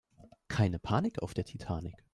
Keine Panik auf der Titanic!